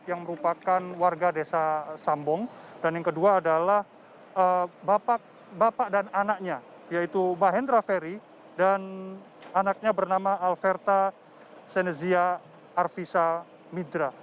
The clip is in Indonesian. dan yang kedua adalah bapak dan anaknya yaitu bahendra ferry dan anaknya bernama alverta senezia arvisa midra